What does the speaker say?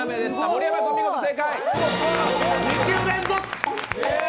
盛山君、見事正解。